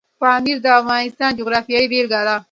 پامیر د افغانستان د جغرافیې بېلګه ده.